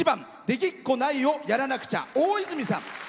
「できっこないをやらなくちゃ」のおおいずみさん。